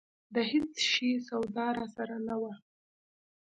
د هېڅ شي سودا راسره نه وه.